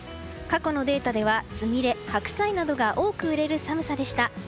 過去のデータではつみれ、白菜などが多く売れる寒さでした。